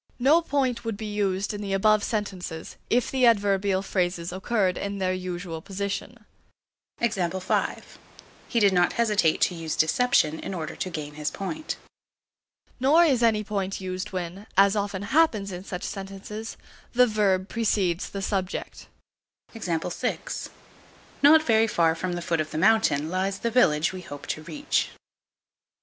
No point would be used in the above sentences, if the adverbial phrases occurred in their usual position. He did not hesitate to use deception in order to gain his point. Nor is any point used when, as often happens in such sentences, the verb precedes the subject. Not very far from the foot of the mountain lies the village we hope to reach.